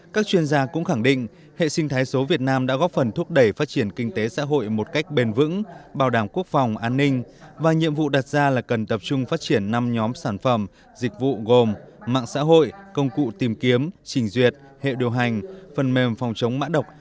các chuyên gia cũng khẳng định hệ sinh thái số việt nam đã góp phần thúc đẩy phát triển kinh tế xã hội một cách bền vững bảo đảm quốc phòng an ninh và nhiệm vụ đặt ra là cần tập trung phát triển năm nhóm sản phẩm dịch vụ gồm mạng xã hội công cụ tìm kiếm trình duyệt hệ điều hành phần mềm phòng chống mã độc